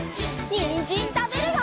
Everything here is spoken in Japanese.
にんじんたべるよ！